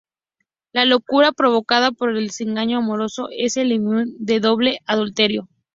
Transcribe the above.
La locura provocada por un desengaño amoroso es el "leitmotiv" de "Doble adulterio.